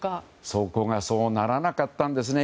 そこがそうならなかったんですね。